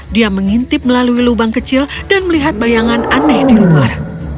dia mengintip melalui lubang kecil dan melihat bayangan aneh di luar